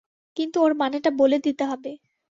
কিন্তু ওর মানেটা বলে দিতে হবে।